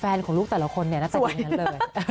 แฟนของลูกแต่ละคนเนี่ยน่าจะดีนั้นเลย